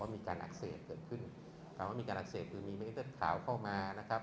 มันขึ้นการอักเสบ